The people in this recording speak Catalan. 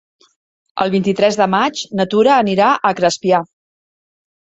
El vint-i-tres de maig na Tura anirà a Crespià.